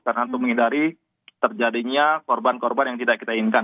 karena untuk menghindari terjadinya korban korban yang tidak kita inginkan